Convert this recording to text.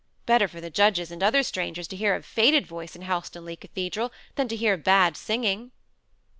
Better for the judges and other strangers to hear a faded voice in Helstonleigh Cathedral, than to hear bad singing."